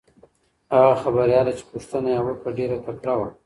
هغه خبریاله چې پوښتنه یې وکړه ډېره تکړه وه.